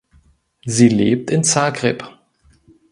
Sie lebt in Zagreb.